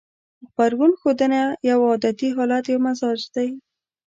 غبرګون ښودنه يو عادتي حالت يا مزاج دی.